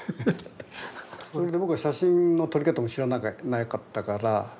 それで僕は写真の撮り方も知らなかったから。